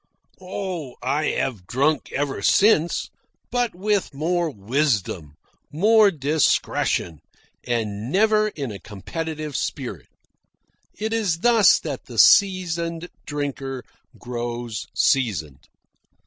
Oh, I have drunk ever since, but with more wisdom, more discretion, and never in a competitive spirit. It is thus that the seasoned drinker grows seasoned.